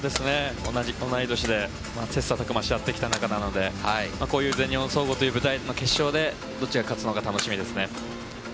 同い年で切磋琢磨し合ってきた仲なのでこういう全日本総合の決勝でどっちが勝つのか楽しみですね。